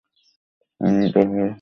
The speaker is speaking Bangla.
ইনি ঢাকার নিবাসী ছিলেন।